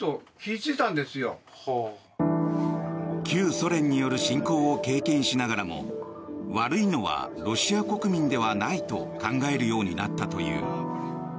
旧ソ連による侵攻を経験しながらも悪いのはロシア国民ではないと考えるようになったという。